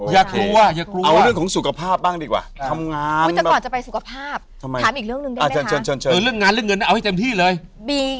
อย่ากลัวสุขภาพบ้างดีกว่าทำงานสุขภาพอีกเรื่องได้ก็มี